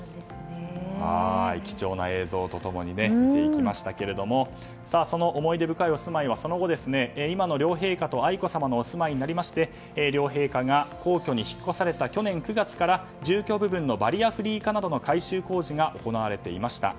貴重な映像と共に見ていきましたけれどもその思い出深いお住まいはその後、今の両陛下と愛子さまのお住まいになりまして両陛下が皇居に引っ越された去年９月から住居部分のバリアフリー化などの改修工事が行われていました。